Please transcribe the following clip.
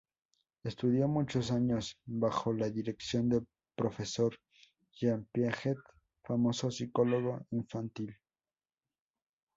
Estudió muchos años bajo la dirección del profesor Jean Piaget, famoso psicólogo infantil.